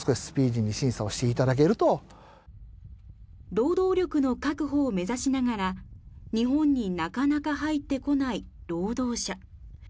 労働力の確保を目指しながら日本になかなか入ってこない労働者。